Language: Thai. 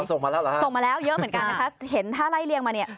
ส่งมาแล้วเหรอฮะส่งมาแล้วเยอะเหมือนกันนะคะเห็นถ้าไล่เลี่ยงมาเนี่ย